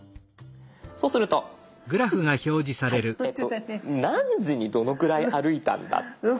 そうするとはい何時にどのぐらい歩いたんだ。